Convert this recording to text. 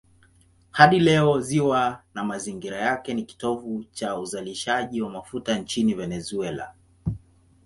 Hadi leo ziwa na mazingira yake ni kitovu cha uzalishaji wa mafuta nchini Venezuela.